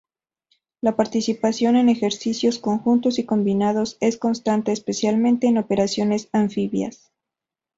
La participación en ejercicios conjuntos y combinados es constante, especialmente en operaciones anfibias.